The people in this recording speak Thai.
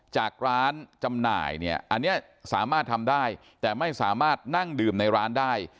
จากร้านจำหน่ายเนี่ยอันนี้สามารถทำได้แต่ไม่สามารถนั่งดื่มในร้านได้